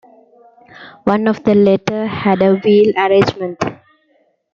One of the latter had a wheel arrangement.